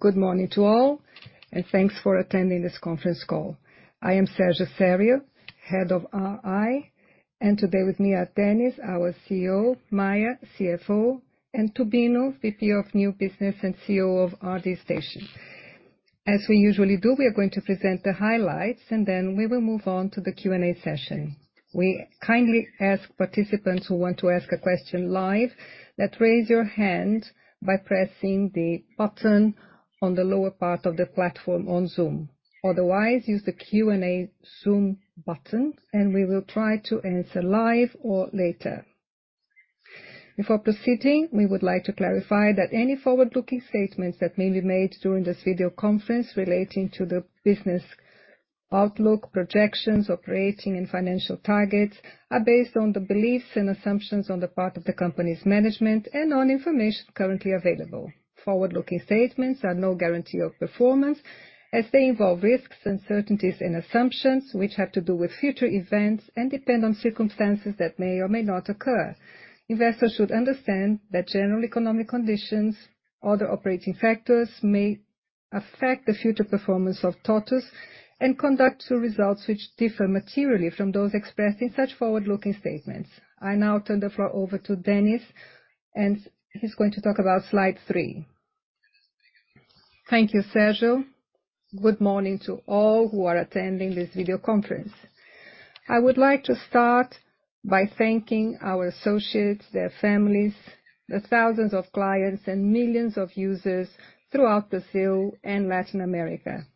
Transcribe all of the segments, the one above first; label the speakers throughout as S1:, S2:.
S1: Good morning to all, thanks for attending this conference call. I am Sergio Serio, Head of IR. Today with me are Dennis, our CEO, Gilsomar Maia, CFO, and Tubino, VP of New Business and CEO of RD Station. As we usually do, we are going to present the highlights and then we will move on to the Q&A session. We kindly ask participants who want to ask a question live that raise your hand by pressing the button on the lower part of the platform on Zoom. Otherwise, use the Q&A Zoom button and we will try to answer live or later. Before proceeding, we would like to clarify that any forward-looking statements that may be made during this video conference relating to the business outlook, projections, operating and financial targets are based on the beliefs and assumptions on the part of the company's Management and on information currently available. Forward-looking statements are no guarantee of performance as they involve risks, uncertainties and assumptions which have to do with future events and depend on circumstances that may or may not occur. Investors should understand that general economic conditions, other operating factors may affect the future performance of TOTVS and conduct to results which differ materially from those expressed in such forward-looking statements. I now turn the floor over to Dennis. He's going to talk about slide three.
S2: Thank you, Sergio. Good morning to all who are attending this video conference. I would like to start by thanking our associates, their families, the thousands of clients and millions of users throughout Brazil and Latin America.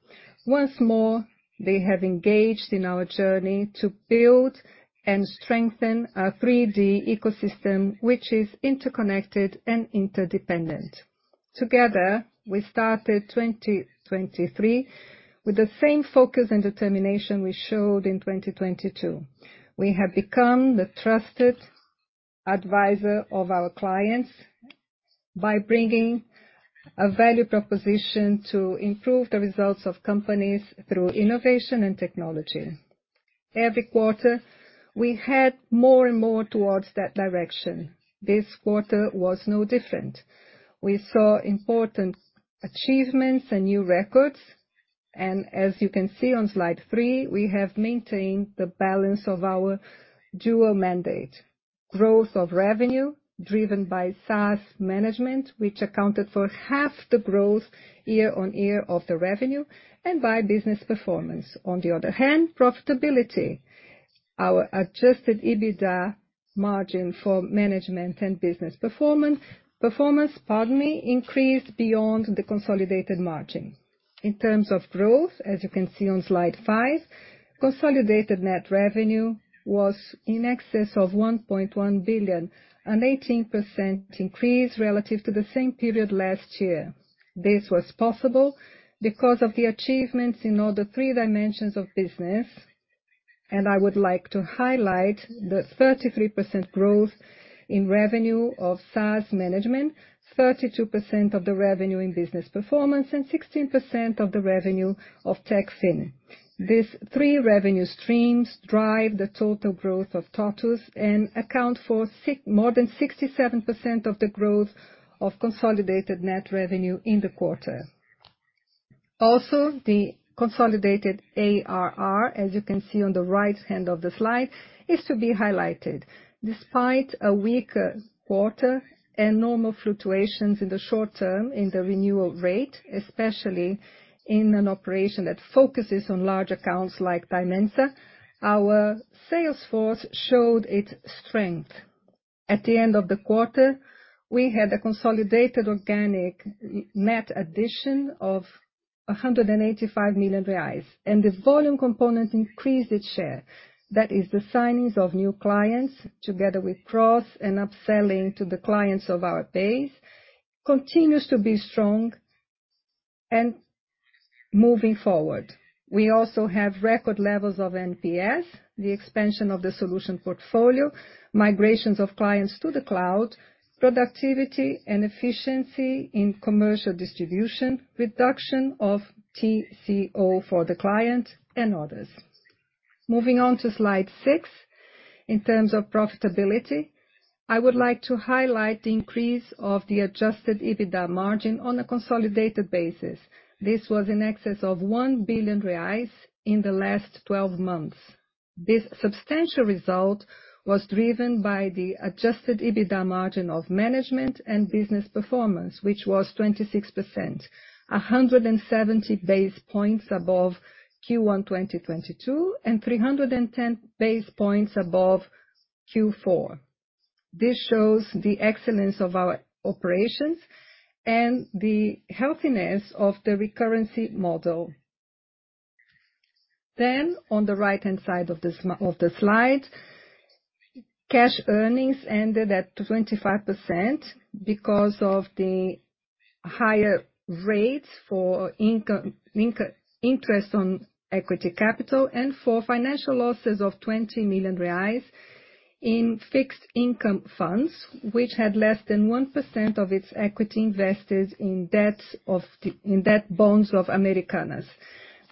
S2: Once more, they have engaged in our journey to build and strengthen our 3D ecosystem, which is interconnected and interdependent. Together, we started 2023 with the same focus and determination we showed in 2022. We have become the trusted advisor of our clients by bringing a value proposition to improve the results of companies through innovation and technology. Every quarter we head more and more towards that direction. This quarter was no different. We saw important achievements and new records. As you can see on slide three, we have maintained the balance of our dual mandate. Growth of revenue driven by SaaS Management, which accounted for half the growth year-over-year of the revenue and by Business Performance. On the other hand, profitability. Our Adjusted EBITDA margin for Management and Business Performance, pardon me, increased beyond the consolidated margin. In terms of growth, as you can see on slide five, consolidated net revenue was in excess of 1.1 billion, an 18% increase relative to the same period last year. This was possible because of the achievements in all the three dimensions of business. I would like to highlight the 33% growth in revenue of SaaS Management, 32% of the revenue in Business Performance, and 16% of the revenue of Techfin. These three revenue streams drive the total growth of TOTVS and account for more than 67% of the growth of consolidated net revenue in the quarter. The consolidated ARR, as you can see on the right hand of the slide, is to be highlighted. Despite a weaker quarter and normal fluctuations in the short term in the renewal rate, especially in an operation that focuses on large accounts like Dimensa, our sales force showed its strength. At the end of the quarter, we had a consolidated organic net addition of 185 million reais, and the volume component increased its share. That is, the signings of new clients together with cross and upselling to the clients of our base continues to be strong and moving forward. We also have record levels of NPS, the expansion of the solution portfolio, migrations of clients to the cloud, productivity and efficiency in commercial distribution, reduction of TCO for the client and others. Moving on to slide six. In terms of profitability, I would like to highlight the increase of the Adjusted EBITDA margin on a consolidated basis. This was in excess of 1 billion reais in the last 12 months. This substantial result was driven by the Adjusted EBITDA margin of Management and Business Performance, which was 26%, 170 basis points above Q1 2022 and 310 basis points above Q4. This shows the excellence of our operations and the healthiness of the recurrency model. On the right-hand side of the slide, cash earnings ended at 25% because of the higher rates for interest on equity capital and for financial losses of 20 million reais in fixed income funds, which had less than 1% of its equity invested in debt bonds of Americanas.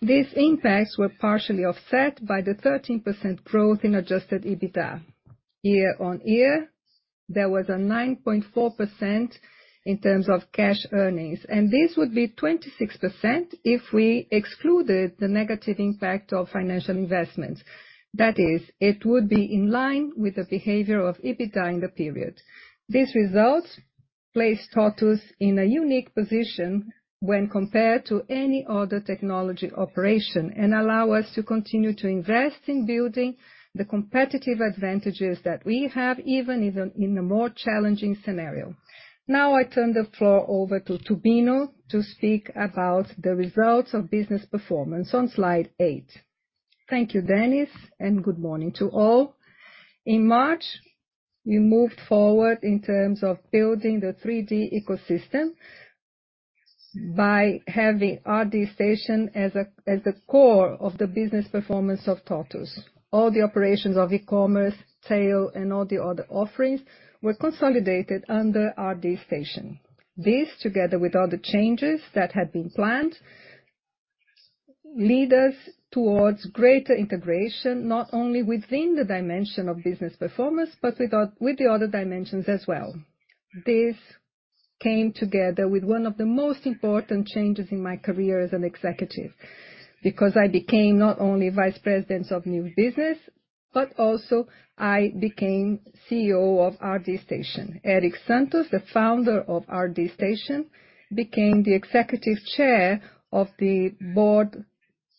S2: These impacts were partially offset by the 13% growth in Adjusted EBITDA. Year-on-year, there was a 9.4% in terms of cash earnings. This would be 26% if we excluded the negative impact of financial investments. That is, it would be in line with the behavior of EBITDA in the period. These results place TOTVS in a unique position when compared to any other technology operation and allow us to continue to invest in building the competitive advantages that we have, even in a more challenging scenario. I turn the floor over to Tubino to speak about the results of Business Performance on slide eight.
S3: Thank you, Dennis, and good morning to all. In March, we moved forward in terms of building the 3D ecosystem by having RD Station as the core of the Business Performance of TOTVS. All the operations of e-commerce, sale and all the other offerings were consolidated under RD Station. This, together with other changes that had been planned, lead us towards greater integration, not only within the dimension of Business Performance, but with the other dimensions as well. This came together with one of the most important changes in my career as an executive, because I became not only Vice President of New Business, but also I became CEO of RD Station. Eric Santos, the founder of RD Station, became the Executive Chair of the Board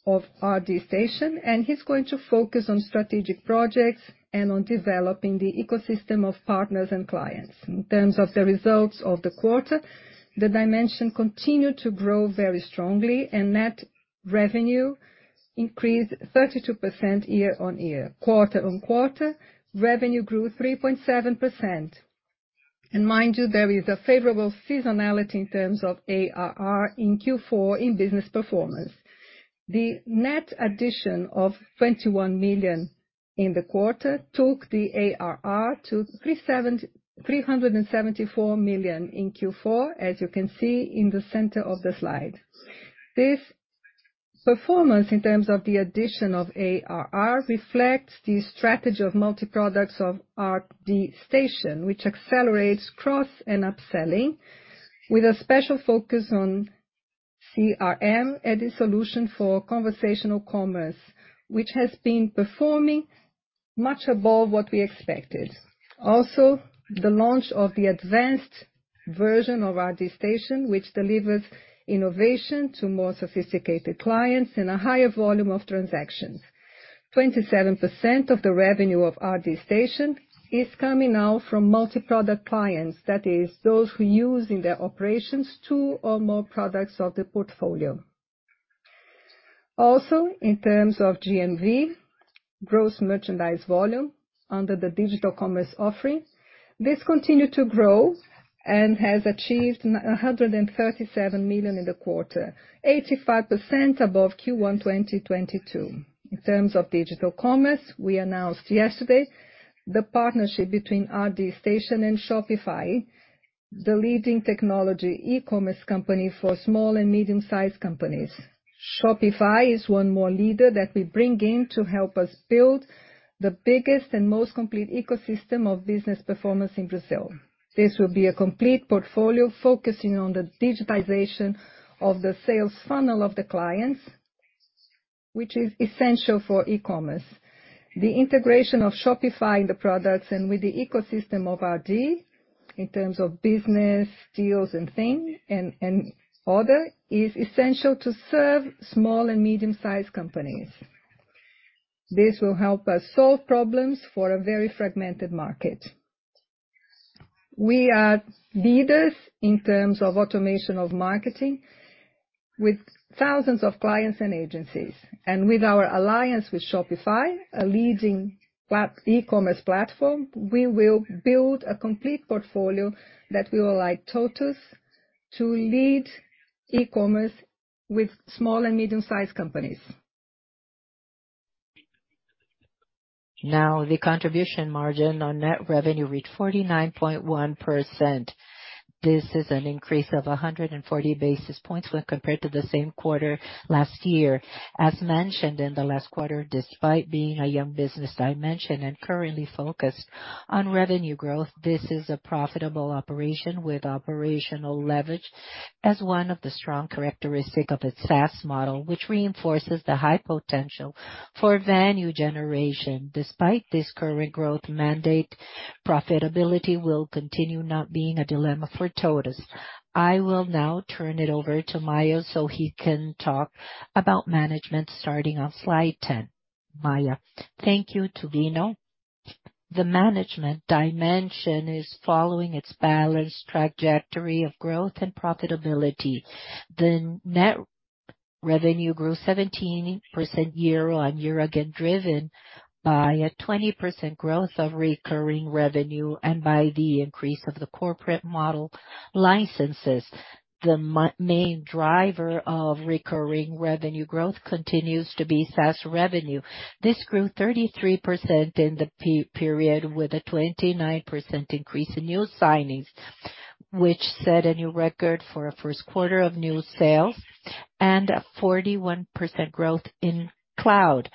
S3: of RD Station, and he's going to focus on strategic projects and on developing the ecosystem of partners and clients. In terms of the results of the quarter, the dimension continued to grow very strongly and net revenue increased 32% year-on-year. Quarter-on-quarter, revenue grew 3.7%. Mind you, there is a favorable seasonality in terms of ARR in Q4 in Business Performance. The net addition of 21 million in the quarter took the ARR to 374 million in Q4, as you can see in the center of the slide. This performance, in terms of the addition of ARR, reflects the strategy of multi-products of RD Station, which accelerates cross and upselling with a special focus on CRM and the solution for conversational commerce, which has been performing much above what we expected. Also, the launch of the advanced version of RD Station, which delivers innovation to more sophisticated clients and a higher volume of transactions. 27% of the revenue of RD Station is coming now from multi-product clients. Those who use in their operations two or more products of the portfolio. In terms of GMV, gross merchandise volume, under the digital commerce offering, this continued to grow and has achieved 137 million in the quarter, 85% above Q1 2022. In terms of digital commerce, we announced yesterday the partnership between RD Station and Shopify, the leading technology e-commerce company for small and medium-sized companies. Shopify is one more leader that we bring in to help us build the biggest and most complete ecosystem of Business Performance in Brazil. This will be a complete portfolio focusing on the digitization of the sales funnel of the clients, which is essential for e-commerce. The integration of Shopify in the products and with the ecosystem of RD in terms of business, deals and other, is essential to serve small and medium-sized companies. This will help us solve problems for a very fragmented market. We are leaders in terms of automation of marketing with thousands of clients and agencies. With our alliance with Shopify, a leading e-commerce platform, we will build a complete portfolio that will allow TOTVS to lead e-commerce with small and medium-sized companies. The contribution margin on net revenue reached 49.1%. This is an increase of 140 basis points when compared to the same quarter last year. As mentioned in the last quarter, despite being a young business dimension and currently focused on revenue growth, this is a profitable operation with operational leverage as one of the strong characteristic of its SaaS model, which reinforces the high potential for value generation. Despite this current growth mandate, profitability will continue not being a dilemma for TOTVS. I will now turn it over to Maia so he can talk about Management starting on slide 10. Maia.
S4: Thank you, Tubino. The Management dimension is following its balanced trajectory of growth and profitability. The net revenue grew 17% year-over-year, again driven by a 20% growth of recurring revenue and by the increase of the Corporate Model licenses. The main driver of recurring revenue growth continues to be SaaS revenue. This grew 33% in the period, with a 29% increase in new signings. Which set a new record for a first quarter of new sales and a 41% growth in cloud.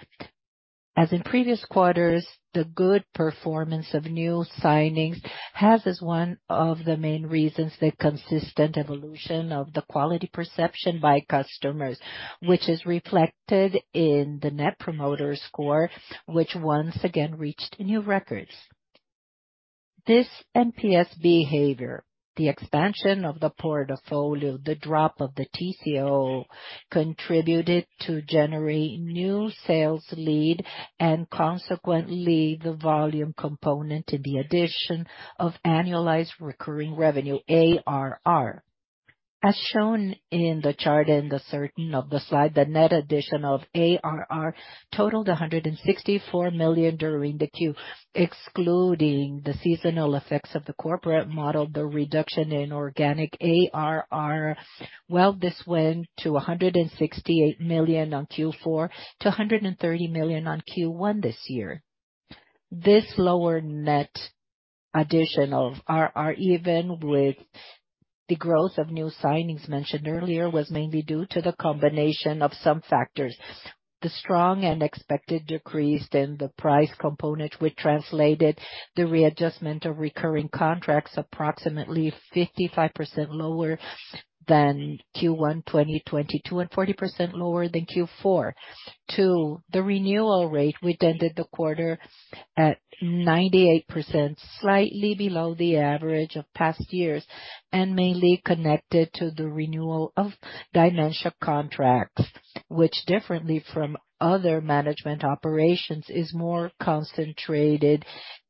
S4: As in previous quarters, the good performance of new signings has as one of the main reasons, the consistent evolution of the quality perception by customers, which is reflected in the Net Promoter Score, which once again reached new records. This NPS behavior, the expansion of the portfolio, the drop of the TCO contributed to generate new sales lead and consequently, the volume component in the addition of annualized recurring revenue, ARR. As shown in the chart in the 13 of the slide, the net addition of ARR totaled 164 million during the Q, excluding the seasonal effects of the Corporate Model, the reduction in organic ARR. Well, this went to 168 million on Q4 to 130 million on Q1 this year. This lower net addition of ARR, even with the growth of new signings mentioned earlier, was mainly due to the combination of some factors. The strong and expected decrease in the price component, which translated the readjustment of recurring contracts approximately 55% lower than Q1 2022 and 40% lower than Q4. 2. The renewal rate, which ended the quarter at 98%, slightly below the average of past years, and mainly connected to the renewal of Dimensa contracts, which differently from other Management operations, is more concentrated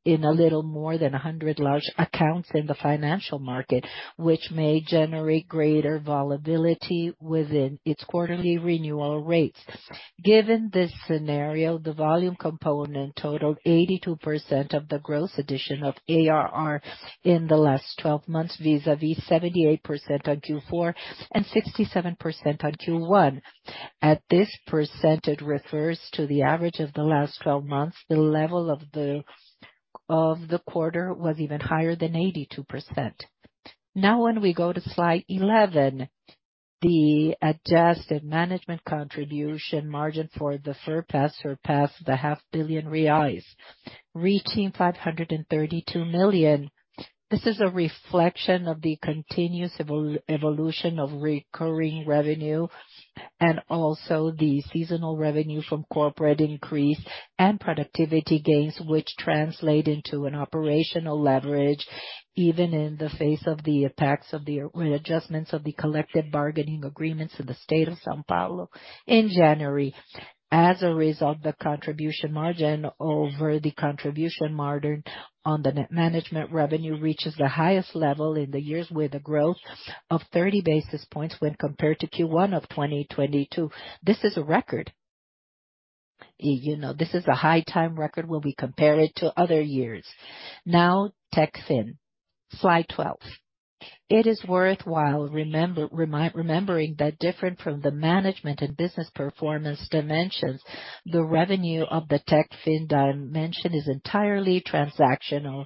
S4: in a little more than 100 large accounts in the financial market. Which may generate greater volatility within its quarterly renewal rates. Given this scenario, the volume component totaled 82% of the gross addition of ARR in the last 12 months, vis-a-vis 78% on Q4 and 67% on Q1. At this percentage, refers to the average of the last 12 months. The level of the quarter was even higher than 82%. Now when we go to slide 11, the adjusted Management contribution margin for the first surpassed the half billion reais, reaching 532 million. This is a reflection of the continuous evolution of recurring revenue and also the seasonal revenue from corporate increase and productivity gains. Which translate into an operational leverage, even in the face of the attacks of the adjustments of the collective bargaining agreements in the state of São Paulo in January. As a result, the contribution margin on the net Management revenue reaches the highest level in the years with a growth of 30 basis points when compared to Q1 of 2022. This is a record. You know, this is a high time record when we compare it to other years. Now, Techfin, slide 12. It is worthwhile remembering that different from the Management and Business Performance dimensions, the revenue of the Techfin dimension is entirely transactional,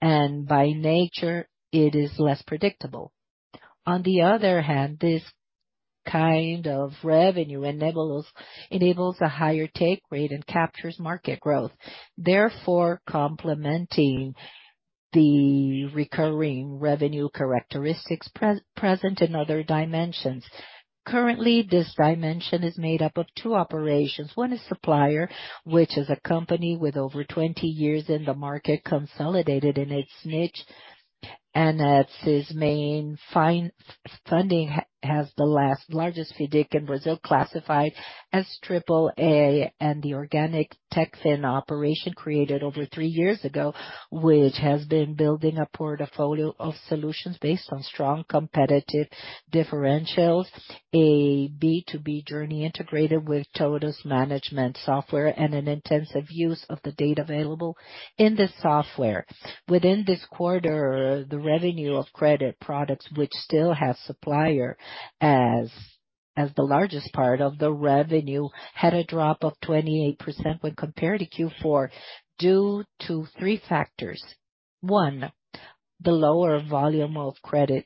S4: and by nature it is less predictable. On the other hand, this kind of revenue enables a higher take rate and captures market growth, therefore complementing the recurring revenue characteristics present in other dimensions. Currently, this dimension is made up of two operations. One is Supplier, which is a company with over 20 years in the market, consolidated in its niche, and as its main funding, has the last largest FIDC in Brazil, classified as AAA. The organic Techfin operation created over three years ago, which has been building a portfolio of solutions based on strong competitive differentials, a B2B journey integrated with TOTVS Management software and an intensive use of the data available in the software. Within this quarter, the revenue of credit products, which still has Supplier as the largest part of the revenue, had a drop of 28% when compared to Q4 due to three factors. One. The lower volume of credit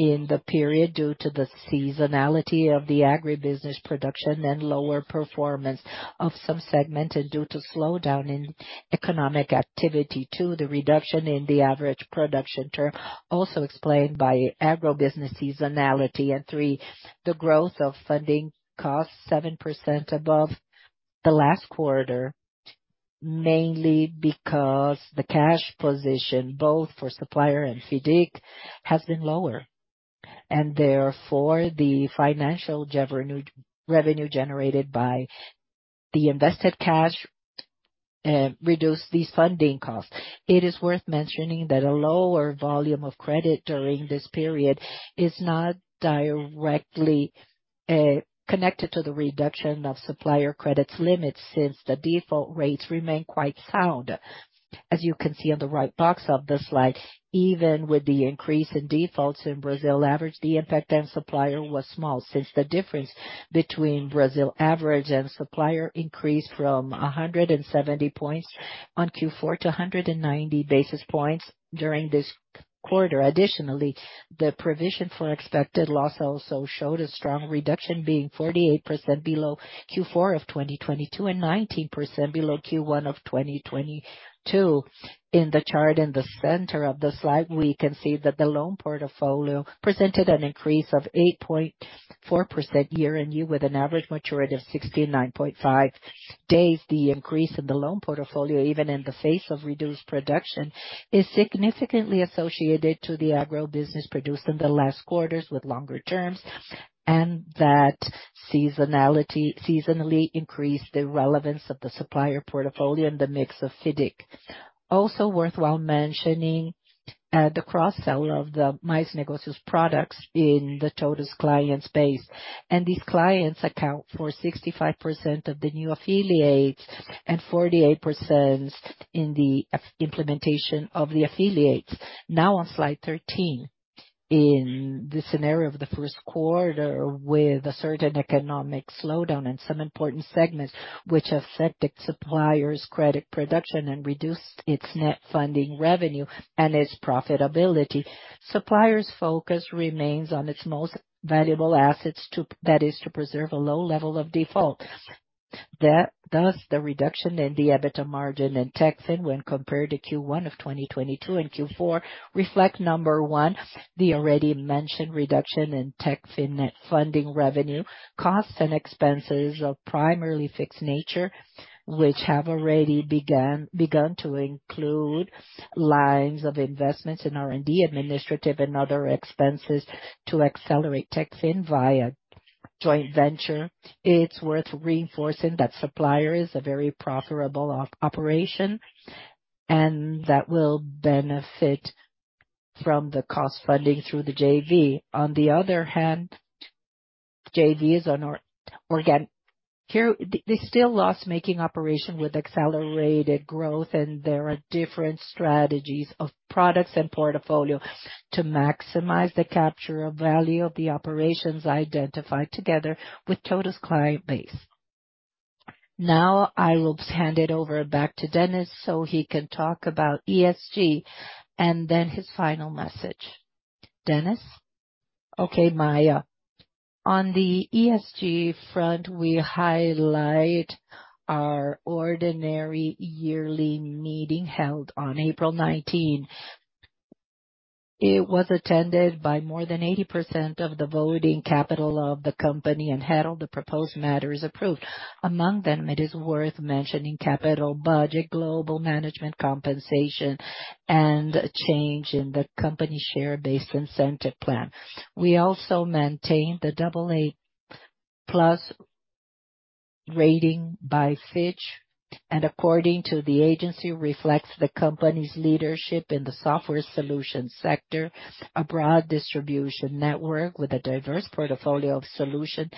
S4: in the period due to the seasonality of the agribusiness production and lower performance of some segmented due to slowdown in economic activity. Two. The reduction in the average production term also explained by agribusiness seasonality. Three. The growth of funding costs 7% above the last quarter, mainly because the cash position, both for Supplier and FIDC, has been lower. Therefore, the financial revenue generated by the invested cash, reduced these funding costs. It is worth mentioning that a lower volume of credit during this period is not directly connected to the reduction of Supplier credits limits, since the default rates remain quite sound. As you can see on the right box of the slide, even with the increase in defaults in Brazil average, the impact on Supplier was small. Since the difference between Brazil average and Supplier increased from 170 points on Q4 to 190 basis points during this quarter. Additionally, the provision for expected loss also showed a strong reduction being 48% below Q4 of 2022, and 19% below Q1 of 2022. In the chart in the center of the slide, we can see that the loan portfolio presented an increase of 8.4% year-over-year, with an average maturity of 69.5 days. The increase in the loan portfolio, even in the face of reduced production, is significantly associated to the agro business produced in the last quarters with longer terms. That seasonally increased the relevance of the Supplier portfolio and the mix of FIDC. Also worthwhile mentioning, the cross seller of the TOTVS Mais Negócios products in the TOTVS client space. These clients account for 65% of the new affiliates and 48% in the implementation of the affiliates. Now on slide 13. In the scenario of the first quarter, with a certain economic slowdown in some important segments which affected Supplier's credit production and reduced its net funding revenue and its profitability. Supplier's focus remains on its most valuable assets that is to preserve a low level of default. Thus, the reduction in the EBITDA margin in Techfin when compared to Q1 of 2022 and Q4, reflect, number one, the already mentioned reduction in Techfin net funding revenue. Costs and expenses are primarily fixed nature, which have already begun to include lines of investments in R&D, administrative, and other expenses to accelerate Techfin via joint venture. It's worth reinforcing that Supplier is a very profitable operation, and that will benefit from the cost funding through the JV. On the other hand, JV is an organic. They still loss making operation with accelerated growth, and there are different strategies of products and portfolio to maximize the capture of value of the operations identified together with TOTVS client base. Now I will hand it over back to Dennis so he can talk about ESG and then his final message. Dennis. Okay, Maia. On the ESG front, we highlight our ordinary yearly meeting held on April 19. It was attended by more than 80% of the voting capital of the company and had all the proposed matters approved. Among them, it is worth mentioning capital budget, global Management compensation, and a change in the company share-based incentive plan. We also maintained the AA+(bra) rating by Fitch. According to the agency, reflects the company's leadership in the software solution sector. A broad distribution network with a diverse portfolio of solutions,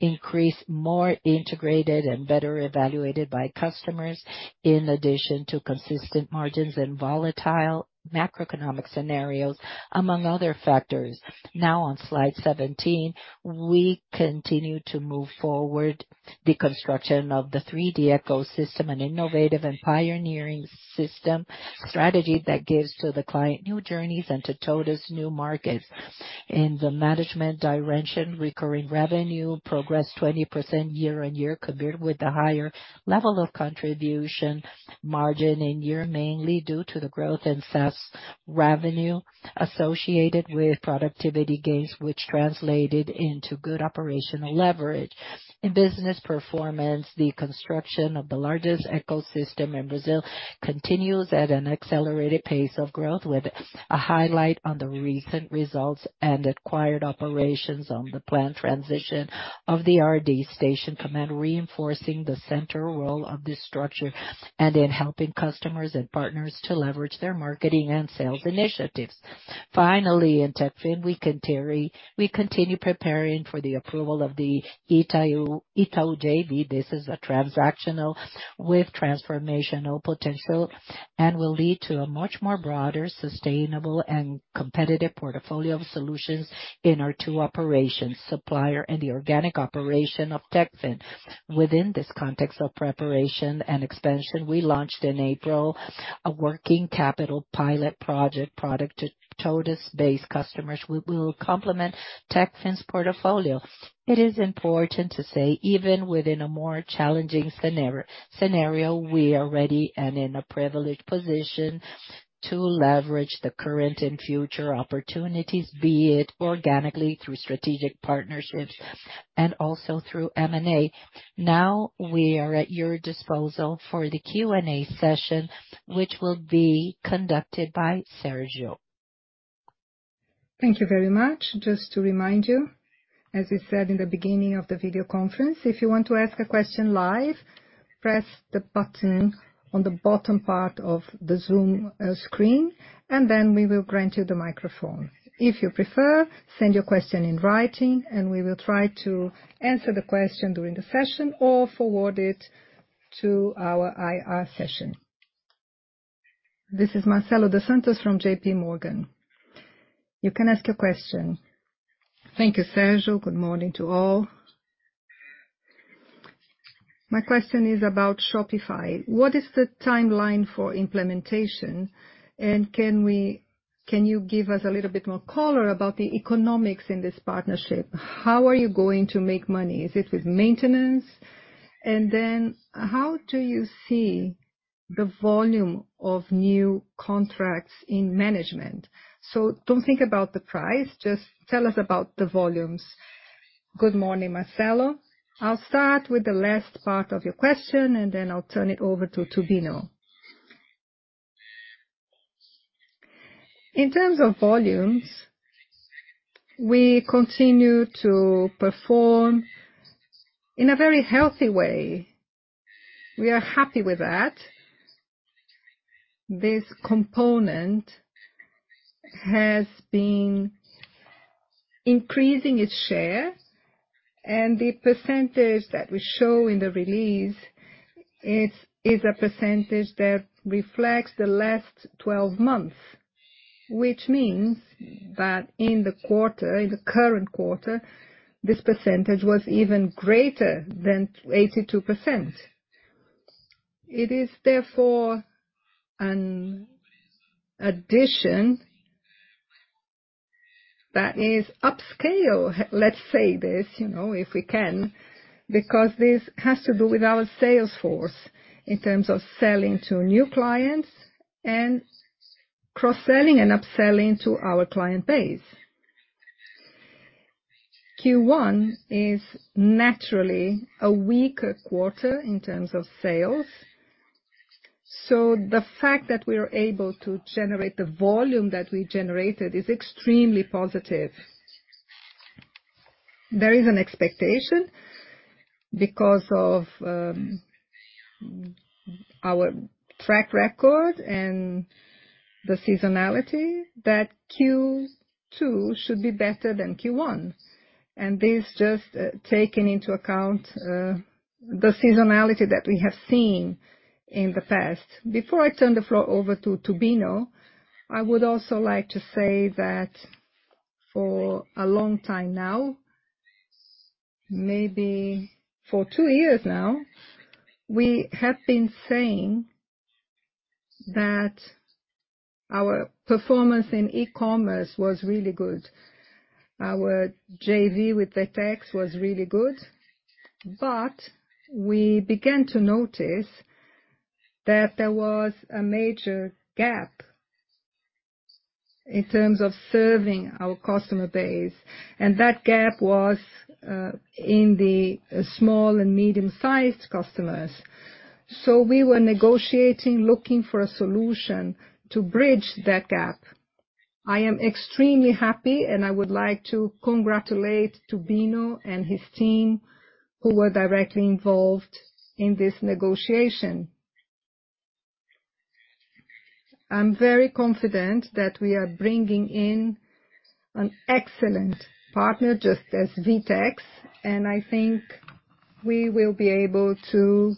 S4: increased, more integrated and better evaluated by customers. In addition to consistent margins and volatile macroeconomic scenarios, among other factors. Now on slide 17. We continue to move forward the construction of the 3D ecosystem, an innovative and pioneering system strategy that gives to the client new journeys and to TOTVS new markets. In the Management direction, recurring revenue progressed 20% year-on-year compared with the higher level of contribution margin in year, mainly due to the growth in SaaS revenue associated with productivity gains, which translated into good operational leverage. In Business Performance, the construction of the largest ecosystem in Brazil continues at an accelerated pace of growth, with a highlight on the recent results and acquired operations on the planned transition of the RD Station command. Reinforcing the center role of this structure and in helping customers and partners to leverage their marketing and sales initiatives. Finally, in Techfin, we continue preparing for the approval of the Itaú JV. This is a transactional with transformational potential and will lead to a much more broader, sustainable, and competitive portfolio of solutions in our two operations, Supplier and the organic operation of Techfin. Within this context of preparation and expansion, we launched in April a working capital pilot project product to TOTVS base customers. We will complement Techfin's portfolio. It is important to say even within a more challenging scenario, we are ready and in a privileged position to leverage the current and future opportunities, be it organically through strategic partnerships and also through M&A. We are at your disposal for the Q&A session, which will be conducted by Sergio.
S1: Thank you very much. Just to remind you, as we said in the beginning of the video conference, if you want to ask a question live, press the button on the bottom part of the Zoom screen, and then we will grant you the microphone. If you prefer, send your question in writing, and we will try to answer the question during the session or forward it to our IR session. This is Marcelo dos Santos from JPMorgan. You can ask your question.
S5: Thank you, Sergio. Good morning to all. My question is about Shopify. What is the timeline for implementation? Can you give us a little bit more color about the economics in this partnership? How are you going to make money? Is it with maintenance? How do you see the volume of new contracts in Management? Don't think about the price, just tell us about the volumes.
S2: Good morning, Marcelo. I'll start with the last part of your question, and then I'll turn it over to Tubino. In terms of volumes, we continue to perform in a very healthy way. We are happy with that. This component has been increasing its share. The percentage that we show in the release is a percentage that reflects the last 12 months. Which means that in the current quarter, this percentage was even greater than 82%. It is therefore an addition that is upscale, let's say this, you know, if we can, because this has to do with our sales force in terms of selling to new clients and cross-selling and upselling to our client base. Q1 is naturally a weaker quarter in terms of sales. The fact that we are able to generate the volume that we generated is extremely positive. There is an expectation because of our track record and the seasonality that Q2 should be better than Q1. This just taking into account the seasonality that we have seen in the past. Before I turn the floor over to Tubino, I would also like to say that for a long time now, maybe for two years now, we have been saying that our performance in e-commerce was really good. Our JV with VTEX was really good. We began to notice that there was a major gap in terms of serving our customer base, and that gap was in the small and medium-sized customers. We were negotiating, looking for a solution to bridge that gap. I am extremely happy. I would like to congratulate Tubino and his team who were directly involved in this negotiation. I'm very confident that we are bringing in an excellent partner, just as VTEX. I think we will be able to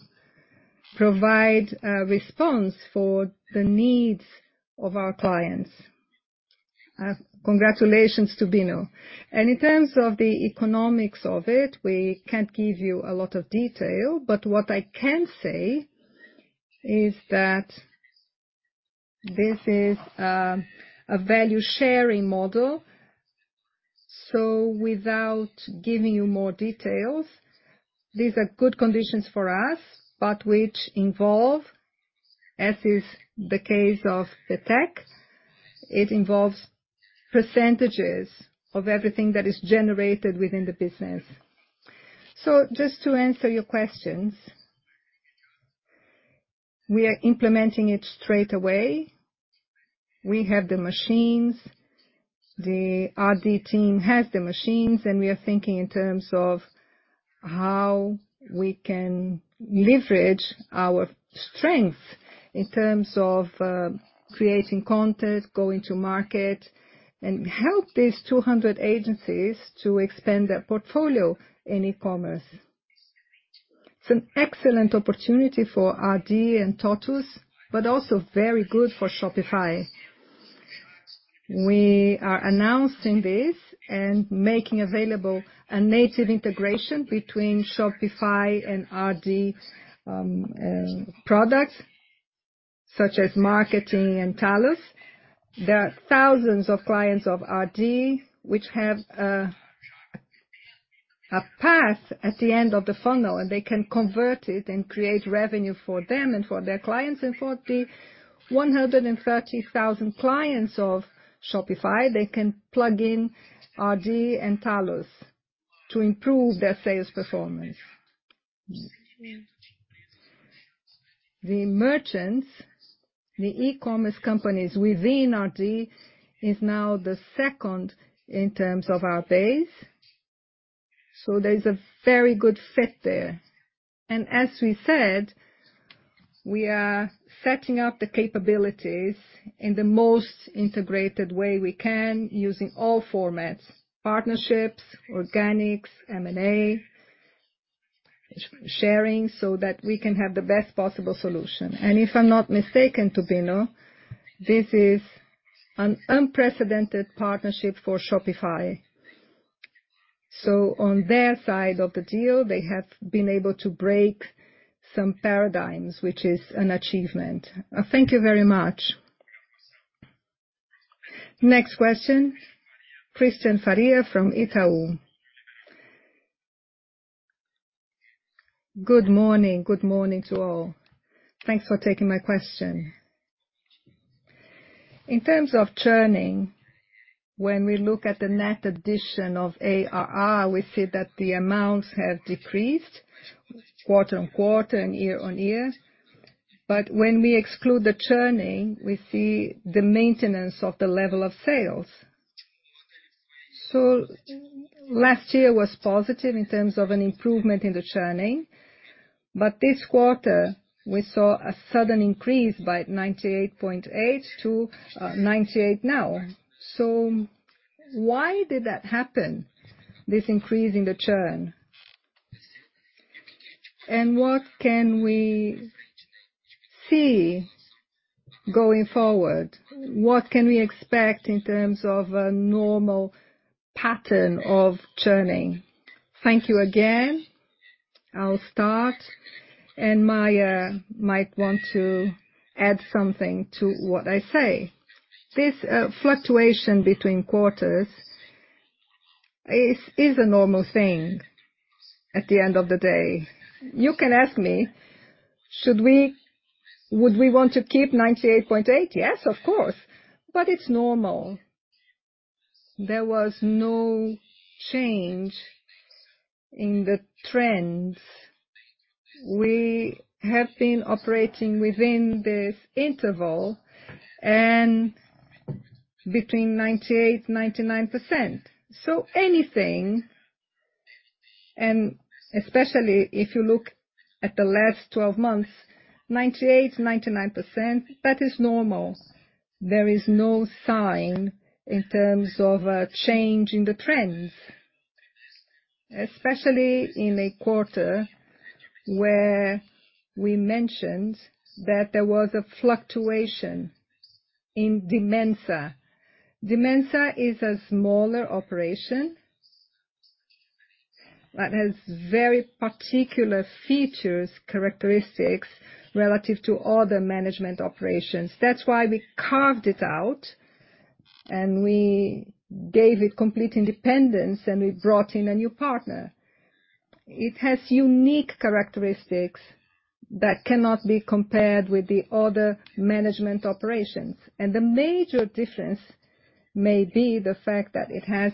S2: provide a response for the needs of our clients. Congratulations, Tubino.
S3: In terms of the economics of it, we can't give you a lot of detail, but what I can say is that this is a value-sharing model. Without giving you more details, these are good conditions for us, but which involve, as is the case of VTEX, it involves percentages of everything that is generated within the business. Just to answer your questions, we are implementing it straight away. We have the machines. The RD team has the machines, and we are thinking in terms of how we can leverage our strength in terms of creating content, going to market, and help these 200 agencies to expand their portfolio in e-commerce. It's an excellent opportunity for RD and TOTVS, but also very good for Shopify.
S2: We are announcing this and making available a native integration between Shopify and RD, products such as marketing and TALLOS. There are thousands of clients of RD which have a path at the end of the funnel, and they can convert it and create revenue for them and for their clients. For the 130,000 clients of Shopify, they can plug in RD and TALLOS to improve their sales performance. The merchants, the e-commerce companies within RD is now the second in terms of our base. There's a very good fit there. As we said, we are setting up the capabilities in the most integrated way we can using all formats: partnerships, organics, M&A, sharing, so that we can have the best possible solution. If I'm not mistaken, Tubino, this is an unprecedented partnership for Shopify.
S3: On their side of the deal, they have been able to break some paradigms, which is an achievement. Thank you very much.
S1: Next question, Christian Faria from Itaú.
S6: Good morning. Good morning to all. Thanks for taking my question. In terms of churning, when we look at the net addition of ARR, we see that the amounts have decreased quarter-on-quarter and year-on-year. When we exclude the churning, we see the maintenance of the level of sales. Last year was positive in terms of an improvement in the churning, but this quarter we saw a sudden increase by 98.8% to 98% now. Why did that happen, this increase in the churn? What can we see going forward? What can we expect in terms of a normal pattern of churning? Thank you again.
S2: I'll start. Maia might want to add something to what I say. This fluctuation between quarters is a normal thing at the end of the day. You can ask me, would we want to keep 98.8? Yes, of course. It's normal. There was no change in the trends. We have been operating within this interval and between 98%-99%. Anything, and especially if you look at the last 12 months, 98%-99%, that is normal. There is no sign in terms of a change in the trends, especially in a quarter where we mentioned that there was a fluctuation in Dimensa. Dimensa is a smaller operation that has very particular features, characteristics relative to other Management operations. That's why we carved it out and we gave it complete independence, and we brought in a new partner. It has unique characteristics that cannot be compared with the other Management operations. The major difference may be the fact that it has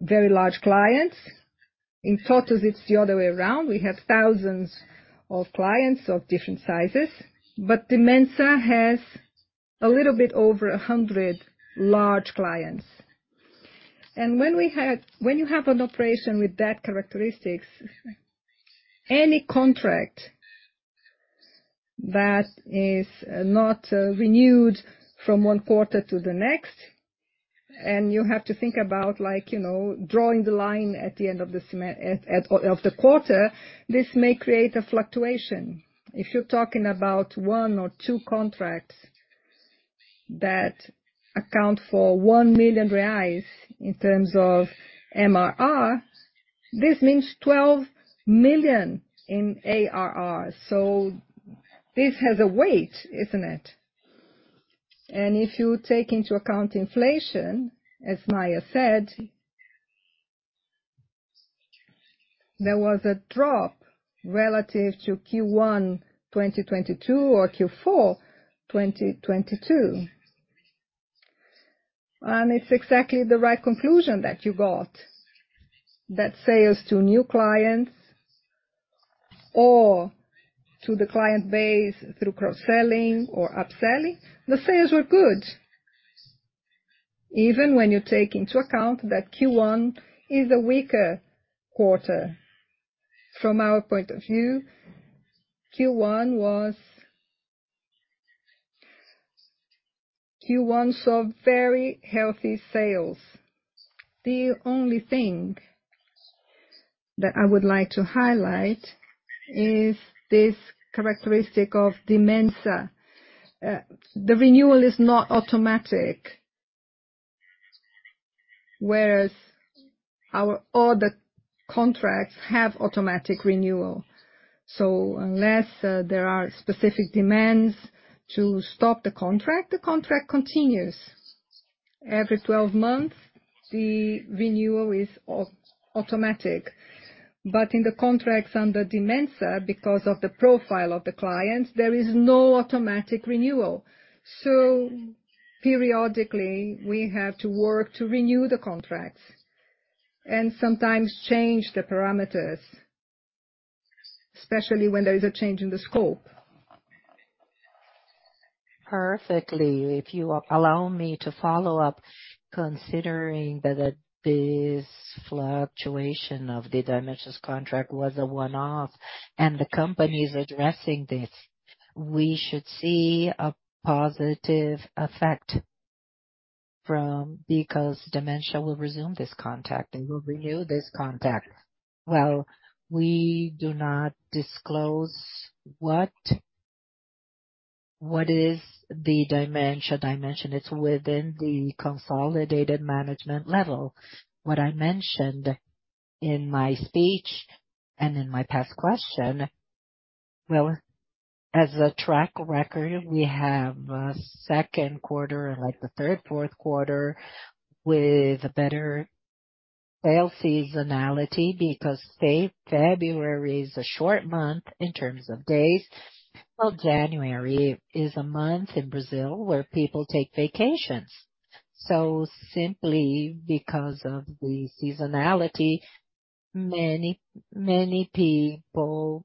S2: very large clients. In TOTVS, it's the other way around. We have thousands of clients of different sizes. Dimensa has a little bit over 100 large clients. When you have an operation with that characteristics, any contract that is not renewed from one quarter to the next, and you have to think about, like, you know, drawing the line at the end of the quarter, this may create a fluctuation. If you're talking about one or two contracts that account for 1 million reais in terms of MRR, this means 12 million in ARR. This has a weight, isn't it? If you take into account inflation, as Maia said, there was a drop relative to Q1 2022 or Q4 2022. It's exactly the right conclusion that you got. That sales to new clients or to the client base through cross-selling or upselling, the sales were good. Even when you take into account that Q1 is a weaker quarter. From our point of view, Q1 saw very healthy sales. The only thing that I would like to highlight is this characteristic of Dimensa. The renewal is not automatic, whereas our other contracts have automatic renewal. Unless there are specific demands to stop the contract, the contract continues. Every 12 months, the renewal is automatic. In the contracts under Dimensa, because of the profile of the clients, there is no automatic renewal. Periodically, we have to work to renew the contracts and sometimes change the parameters, especially when there is a change in the scope.
S6: Perfectly. If you allow me to follow up, considering that this fluctuation of the Dimensa contract was a one-off and the company is addressing this, we should see a positive effect from because Dimensa will resume this contact. They will renew this contact.
S2: Well, we do not disclose what is the Dimensa dimension. It's within the consolidated Management level. What I mentioned in my speech and in my past question, well, as a track record, we have a second quarter, like the third, fourth quarter, with a better sales seasonality because say, February is a short month in terms of days. Well, January is a month in Brazil where people take vacations. Simply because of the seasonality, many people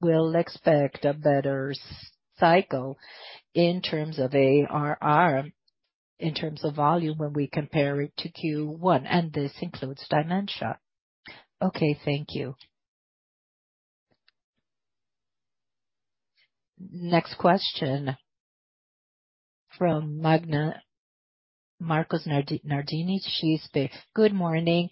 S2: will expect a better cycle in terms of ARR, in terms of volume when we compare it to Q1, and this includes Dimensa.
S6: Okay, thank you.
S1: Next question from Marcos Nardini. XP Investimentos.
S7: Good morning.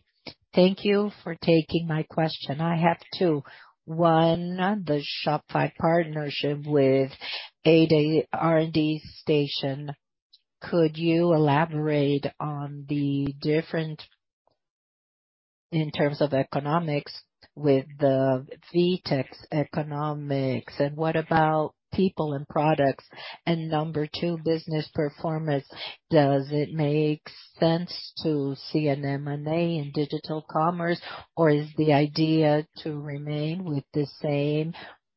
S7: Thank you for taking my question. I have two. One, the Shopify partnership with RD Station. Could you elaborate on the different in terms of economics with the VTEX economics? What about people and products? Number two, Business Performance. Does it make sense to see an M&A in digital commerce? Is the idea to remain with the same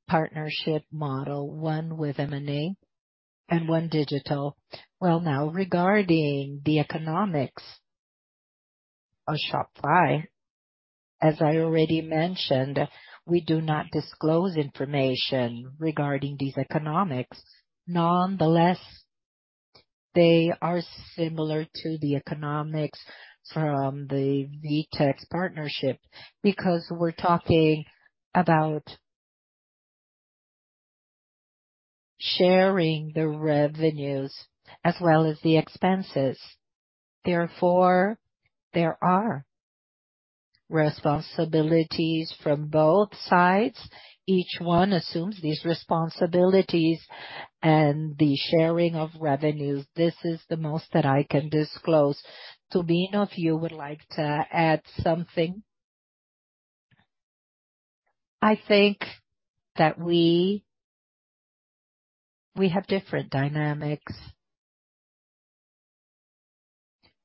S7: partnership model, one with M&A and one digital?
S2: Regarding the economics of Shopify, as I already mentioned, we do not disclose information regarding these economics. Nonetheless, they are similar to the economics from the VTEX partnership because we're talking about sharing the revenues as well as the expenses. Therefore, there are responsibilities from both sides. Each one assumes these responsibilities and the sharing of revenues. This is the most that I can disclose. Tubino, if you would like to add something.
S3: I think that we have different dynamics.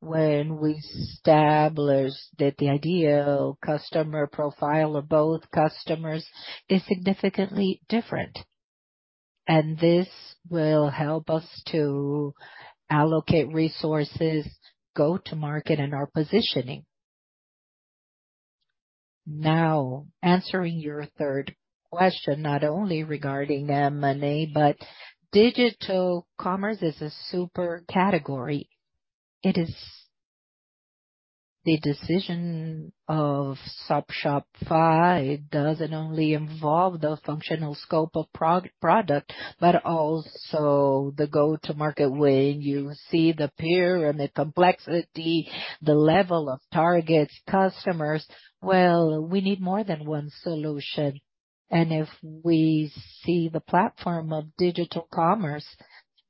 S3: When we established that the ideal customer profile or both customers is significantly different. This will help us to allocate resources, go to market, and our positioning. Now, answering your third question, not only regarding M&A, but digital commerce is a super category. It is the decision of Shopify doesn't only involve the functional scope of product, but also the go-to-market way. You see the peer and the complexity, the level of targets, customers. Well, we need more than one solution. If we see the platform of digital commerce,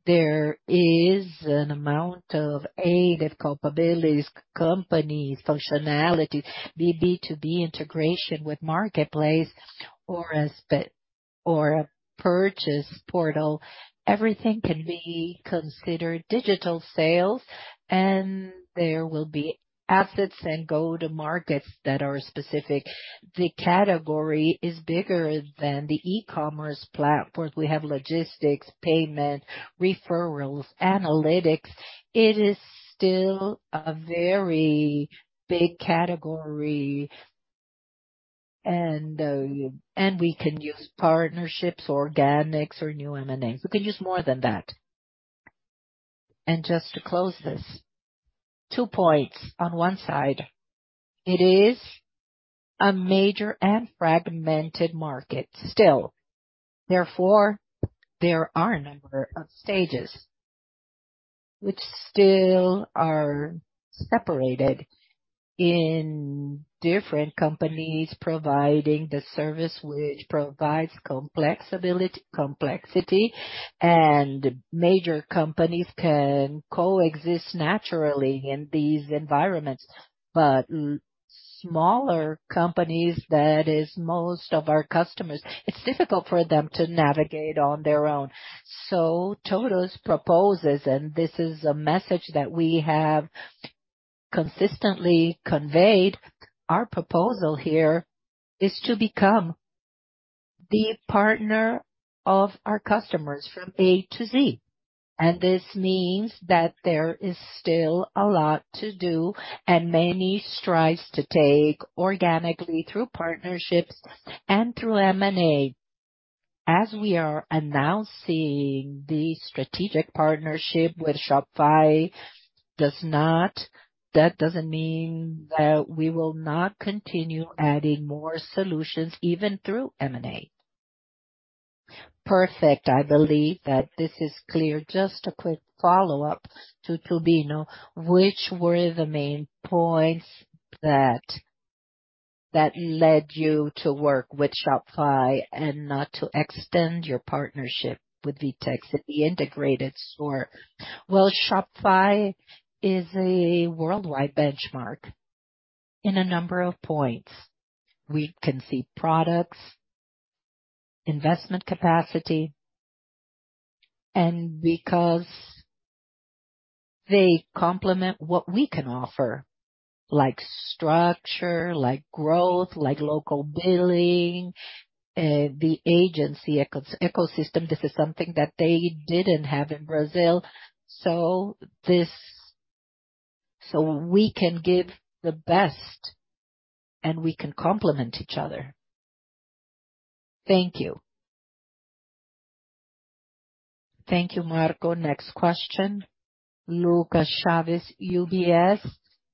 S3: there is an amount of, A, the capabilities, company functionality, B, B2B integration with marketplace or a purchase portal. Everything can be considered digital sales, there will be assets and go-to markets that are specific. The category is bigger than the e-commerce platform. We have logistics, payment, referrals, analytics. It is still a very big category. We can use partnerships, organics or new M&As. We can use more than that. Just to close this, two points. On one side, it is a major and fragmented market still. Therefore, there are a number of stages which still are separated in different companies providing the service, which provides complexity, and major companies can coexist naturally in these environments. Smaller companies, that is most of our customers, it's difficult for them to navigate on their own. TOTVS proposes, and this is a message that we have consistently conveyed. Our proposal here is to become the partner of our customers from A-Z. This means that there is still a lot to do and many strides to take organically through partnerships and through M&A. As we are announcing the strategic partnership with Shopify, that doesn't mean that we will not continue adding more solutions even through M&A.
S7: Perfect. I believe that this is clear. Just a quick follow-up to Tubino. Which were the main points that led you to work with Shopify and not to extend your partnership with VTEX at the Loja Integrada?
S3: Well, Shopify is a worldwide benchmark in a number of points. We can see products, investment capacity, and because they complement what we can offer, like structure, like growth, like local billing, the agency ecosystem. This is something that they didn't have in Brazil. We can give the best, and we can complement each other.
S7: Thank you.
S1: Thank you, Marco. Next question. Lucas Chaves, UBS,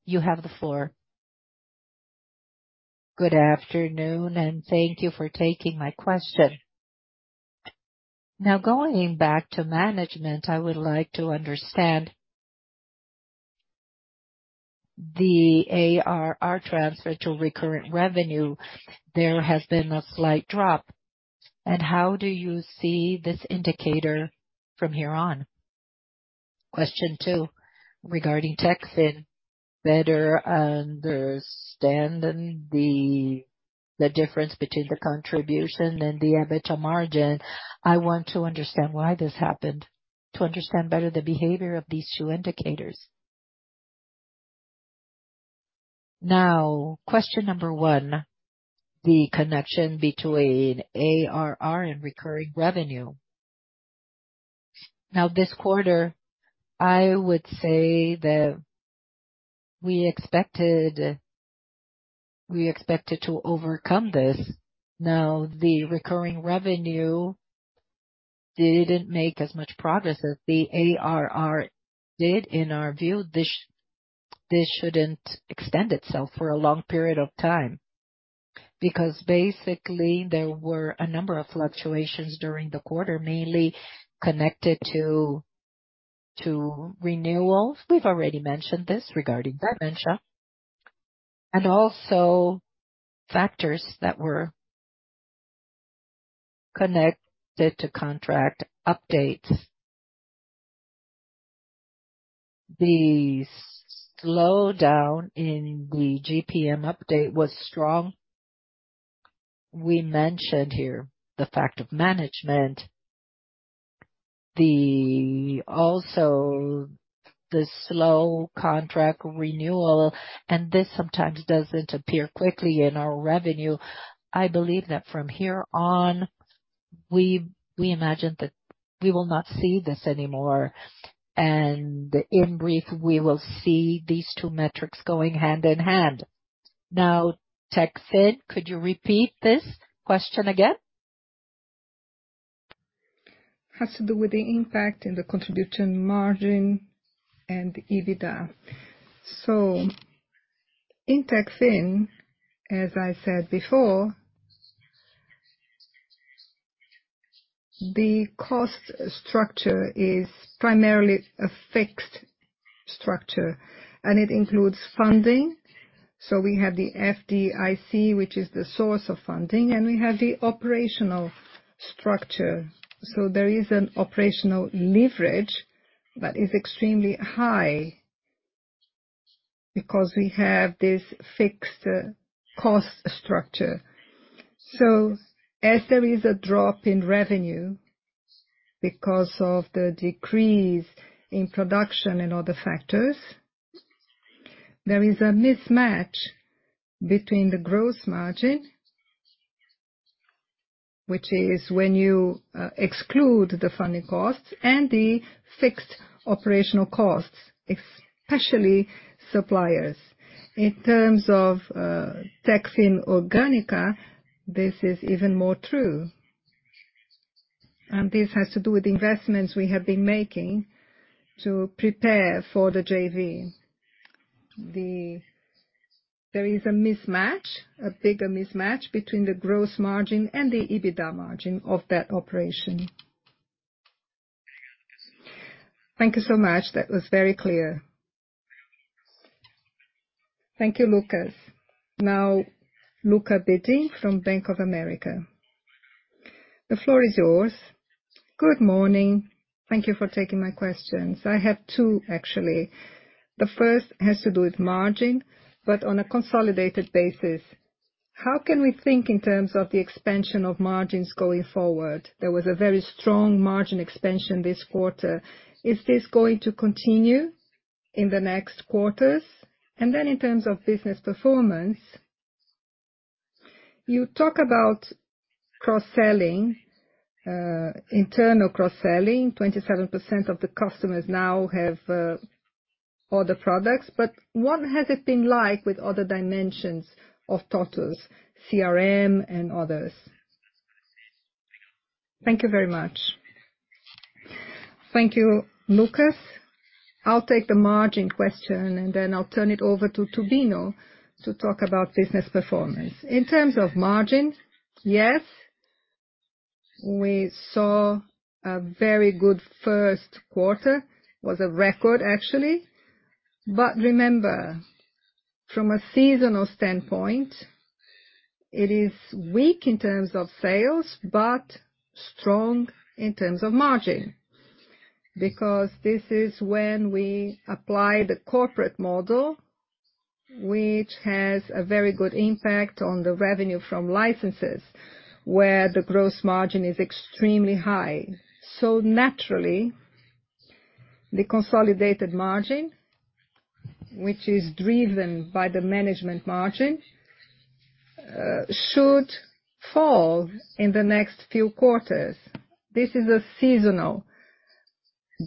S1: you have the floor.
S8: Good afternoon, and thank you for taking my question. Going back to Management, I would like to understand the ARR transfer to recurrent revenue. There has been a slight drop. How do you see this indicator from here on? Question two, regarding Techfin. Better understanding the difference between the contribution and the EBITDA margin. I want to understand why this happened to understand better the behavior of these two indicators.
S2: Question number one, the connection between ARR and recurring revenue. This quarter, I would say that we expected to overcome this. The recurring revenue didn't make as much progress as the ARR did. In our view, this shouldn't extend itself for a long period of time. Basically, there were a number of fluctuations during the quarter, mainly connected to renewals. We've already mentioned this regarding Dimensa.
S4: Also factors that were connected to contract updates. The slowdown in the GPM update was strong. We mentioned here the fact of Management. Also the slow contract renewal, this sometimes doesn't appear quickly in our revenue. I believe that from here on, we imagine that we will not see this anymore. In brief, we will see these two metrics going hand-in-hand. Now, Techfin, could you repeat this question again? Has to do with the impact in the contribution margin and EBITDA. In Techfin, as I said before, the cost structure is primarily a fixed structure, and it includes funding. We have the FIDC, which is the source of funding, and we have the operational structure. There is an operational leverage that is extremely high because we have this fixed cost structure. As there is a drop in revenue because of the decrease in production and other factors, there is a mismatch between the gross margin, which is when you exclude the funding costs and the fixed operational costs, especially Supplier. In terms of Techfin Orgânica, this is even more true. This has to do with investments we have been making to prepare for the JV. There is a mismatch, a bigger mismatch between the gross margin and the EBITDA margin of that operation.
S8: Thank you so much. That was very clear.
S1: Lucca Brendim from Bank of America. The floor is yours.
S9: Good morning. Thank you for taking my questions. I have two, actually. The first has to do with margin, but on a consolidated basis. How can we think in terms of the expansion of margins going forward? There was a very strong margin expansion this quarter. Is this going to continue in the next quarters? In terms of Business Performance, you talk about cross-selling, internal cross-selling. 27% of the customers now have other products, but what has it been like with other dimensions of TOTVS, CRM and others? Thank you very much.
S4: Thank you, Lucca. I'll take the margin question, and then I'll turn it over to Tubino to talk about Business Performance. In terms of margin, yes, we saw a very good first quarter. It was a record, actually. Remember, from a seasonal standpoint, it is weak in terms of sales, but strong in terms of margin. This is when we apply the Corporate Model, which has a very good impact on the revenue from licenses, where the gross margin is extremely high. Naturally, the consolidated margin, which is driven by the Management margin, should fall in the next few quarters. This is a seasonal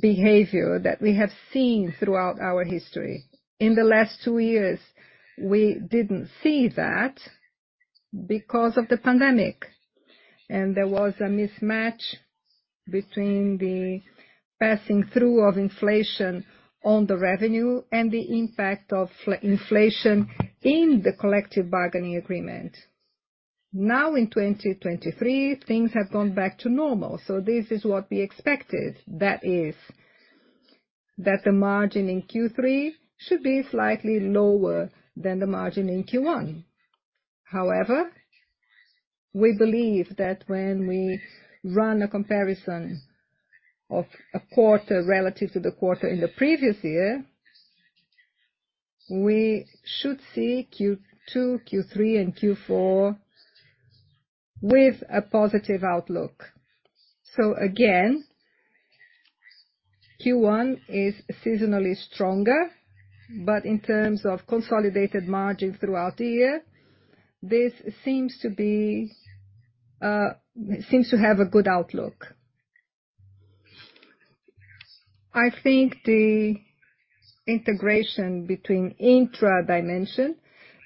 S4: behavior that we have seen throughout our history. In the last two years, we didn't see that because of the pandemic. There was a mismatch between the passing through of inflation on the revenue and the impact of inflation in the collective bargaining agreement. In 2023, things have gone back to normal. This is what we expected. That is, that the margin in Q3 should be slightly lower than the margin in Q1. However, we believe that when we run a comparison of a quarter relative to the quarter in the previous year, we should see Q2, Q3, and Q4 with a positive outlook. Again, Q1 is seasonally stronger, but in terms of consolidated margin throughout the year, this seems to have a good outlook.
S3: I think the integration between intra dimension,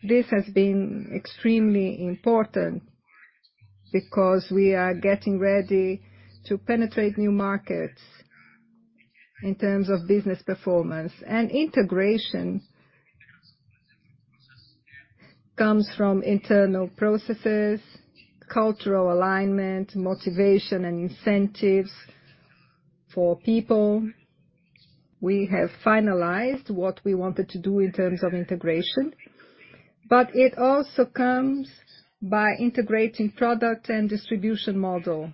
S3: this has been extremely important because we are getting ready to penetrate new markets in terms of Business Performance. Integration comes from internal processes, cultural alignment, motivation and incentives for people. We have finalized what we wanted to do in terms of integration. It also comes by integrating product and distribution model,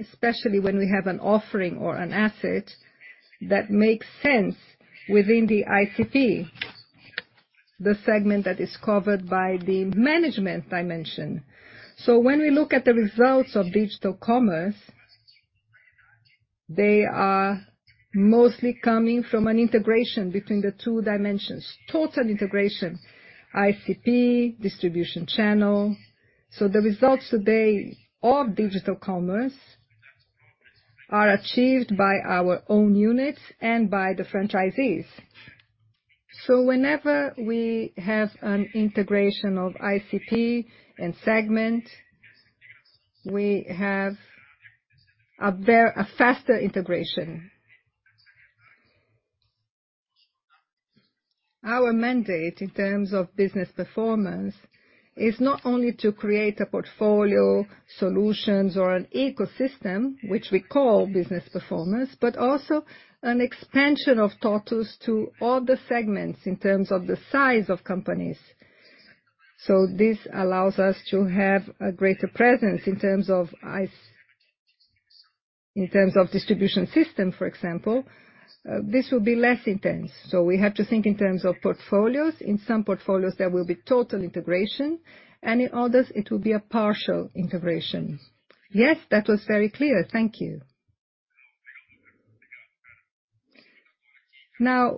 S3: especially when we have an offering or an asset that makes sense within the ICP, the segment that is covered by the Management dimension. When we look at the results of digital commerce, they are mostly coming from an integration between the two dimensions. Total integration. ICP, distribution channel. The results today of digital commerce are achieved by our own units and by the franchisees. Whenever we have an integration of ICP and segment, we have a faster integration. Our mandate in terms of Business Performance is not only to create a portfolio solutions or an ecosystem, which we call Business Performance, but also an expansion of TOTVS to all the segments in terms of the size of companies. This allows us to have a greater presence in terms of distribution system, for example, this will be less intense. We have to think in terms of portfolios. In some portfolios, there will be total integration, and in others it will be a partial integration.
S9: Yes, that was very clear. Thank you.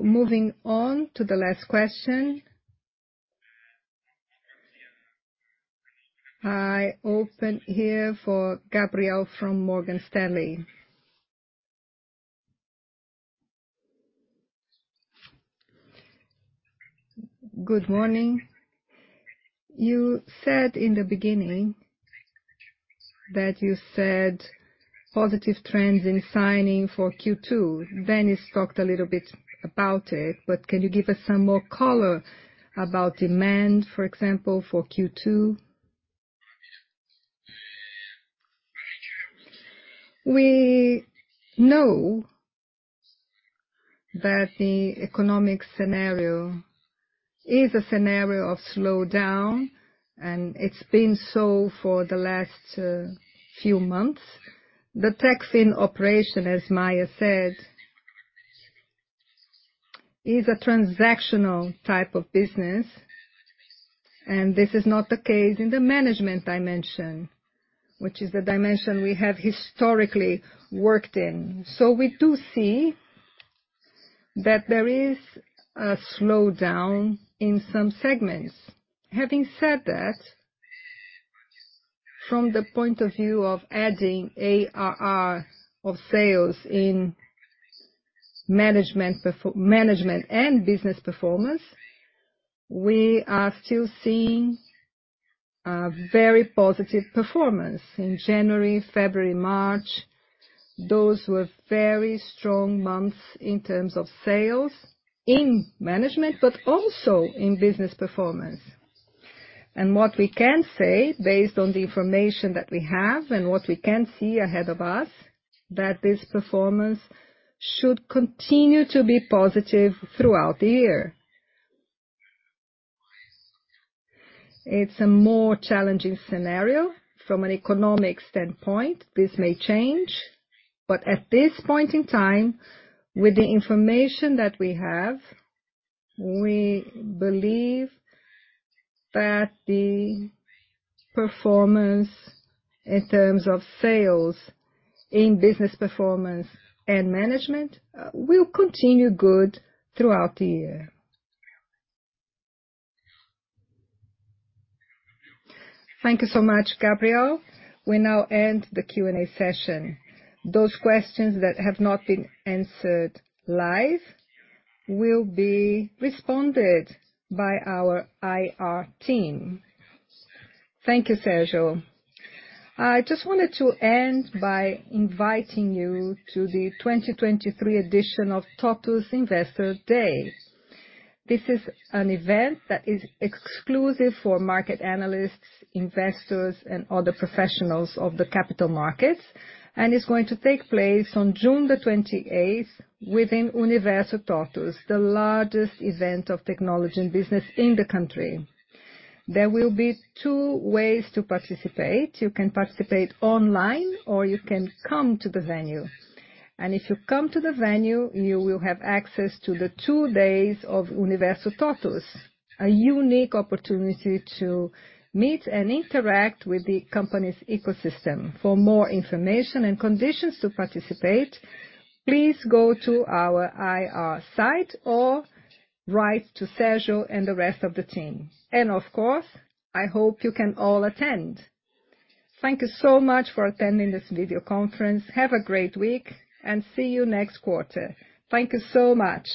S1: Moving on to the last question. I open here for Gabrielle from Morgan Stanley.
S10: Good morning. You said in the beginning that you said positive trends in signing for Q2. Dennis talked a little bit about it, can you give us some more color about demand, for example, for Q2?
S2: We know that the economic scenario is a scenario of slowdown, it's been so for the last few months. The Techfin operation, as Maia said, is a transactional type of business, this is not the case in the Management dimension, which is the dimension we have historically worked in. We do see that there is a slowdown in some segments. Having said that, from the point of view of adding ARR of sales in Management and Business Performance, we are still seeing very positive performance. In January, February, March, those were very strong months in terms of sales in Management, but also in Business Performance. What we can say, based on the information that we have and what we can see ahead of us, that this performance should continue to be positive throughout the year. It's a more challenging scenario. From an economic standpoint, this may change. At this point in time, with the information that we have, we believe that the performance in terms of sales in Business Performance and Management will continue good throughout the year.
S1: Thank you so much, Gabrielle. We now end the Q&A session. Those questions that have not been answered live will be responded by our IR team.
S4: Thank you, Sergio. I just wanted to end by inviting you to the 2023 edition of TOTVS Investor Day. This is an event that is exclusive for market analysts, investors, and other professionals of the capital markets. It's going to take place on June 28th within Universo TOTVS, the largest event of technology and business in the country. There will be two ways to participate. You can participate online or you can come to the venue. If you come to the venue, you will have access to the two days of Universo TOTVS, a unique opportunity to meet and interact with the company's ecosystem. For more information and conditions to participate, please go to our IR site or write to Sergio and the rest of the team. Of course, I hope you can all attend. Thank you so much for attending this video conference.
S1: Have a great week, and see you next quarter. Thank you so much.